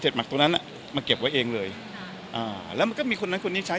หมักตัวนั้นอ่ะมาเก็บไว้เองเลยอ่าแล้วมันก็มีคนนั้นคนนี้ใช้